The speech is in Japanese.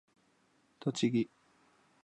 栃木